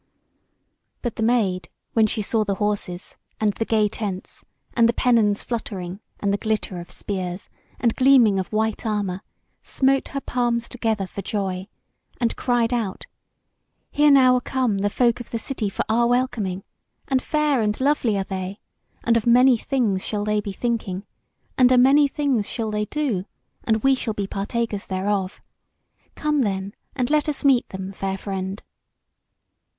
But the Maid, when she saw the horses, and the gay tents, and the pennons fluttering, and the glitter of spears, and gleaming of white armour, smote her palms together for joy, and cried out: "Here now are come the folk of the city for our welcoming, and fair and lovely are they, and of many things shall they be thinking, and a many things shall they do, and we shall be partakers thereof. Come then, and let us meet them, fair friend!"